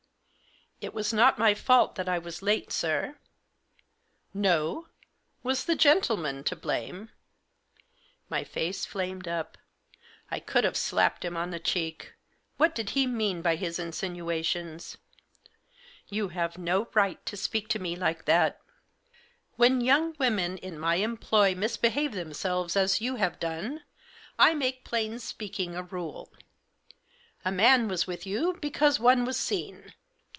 " It was not my fault that I was late, sir." " No ? Was the gentleman to blame ?" My face flamed up. I could have slapped him on the cheek. What did he mean by his insinuations ? "You have no right to speak to me like that !"" When young women in my employment misbehave themselves as you have done I make plain speaking a rule. A man was with you, because one was seen.